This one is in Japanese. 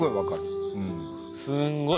すんごい